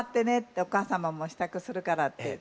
お母様も支度するから」って言って。